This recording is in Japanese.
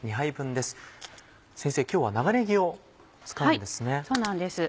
先生今日は長ねぎを使うんですね。